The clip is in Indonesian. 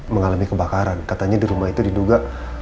mengalami kebakaran katanya dirumah itu diduga